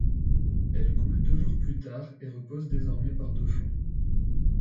Elle coule deux jours plus tard, et repose désormais par de fond.